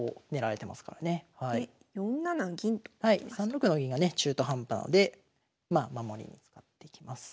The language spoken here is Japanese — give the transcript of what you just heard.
３六の銀がね中途半端なのでまあ守りに使っていきます。